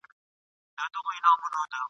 چي هر لوري ته یې واچول لاسونه !.